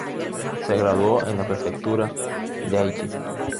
Se graduó en la prefectura de Aichi.